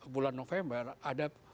bulan november ada